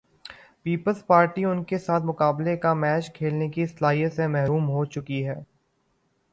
Peoples Party ان کے ساتھ مقابلے کا میچ کھیلنے کی صلاحیت سے محروم ہو چکی۔